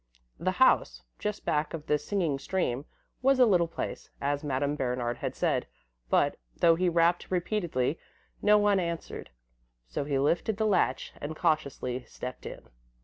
The house, just back of the singing stream, was a little place, as Madame Bernard had said, but, though he rapped repeatedly, no one answered. So he lifted the latch and cautiously stepped in.